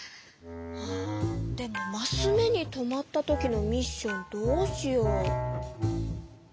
あでもマス目に止まった時のミッションどうしよう？